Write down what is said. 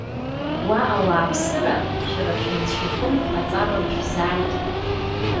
Уа, ауааԥсыра! Шәара шәынцәа иҟынтә аҵабырг шәзааит.